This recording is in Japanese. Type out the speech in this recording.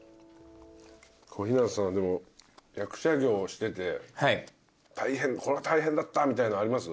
小日向さんはでも役者業をしててこれは大変だったみたいなのあります？